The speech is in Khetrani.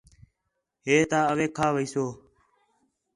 ہے تا اوے کھا ویسوں